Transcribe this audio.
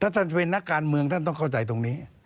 ถ้าท่านจะเป็นนักการเมืองท่านต้องเข้าใจตรงนี้